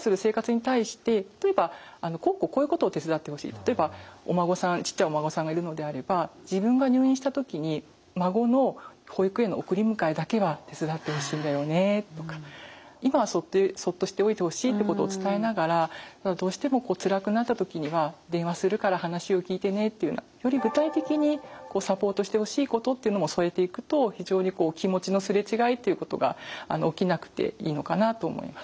例えばちっちゃいお孫さんがいるのであれば自分が入院した時に孫の保育園の送り迎えだけは手伝ってほしいんだよねとか今はそっとしておいてほしいってことを伝えながらどうしてもつらくなった時には電話するから話を聞いてねっていうようなより具体的にサポートしてほしいことっていうのも添えていくと非常に気持ちの擦れ違いっていうことが起きなくていいのかなと思います。